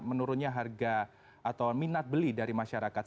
menurunnya harga atau minat beli dari masyarakat